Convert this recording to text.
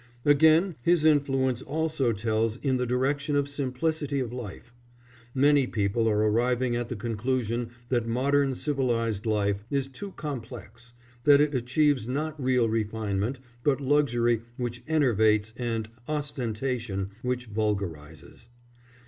Again, his influence also tells in the direction of simplicity of life. Many people are arriving at the conclusion that modern civilised life is too complex, that it achieves not real refinement, but luxury which enervates and ostentation which vulgarises.